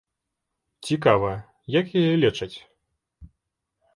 Цікава як яе лечаць?